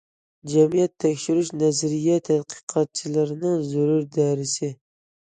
جەمئىيەت تەكشۈرۈش نەزەرىيە تەتقىقاتچىلىرىنىڭ زۆرۈر دەرسى.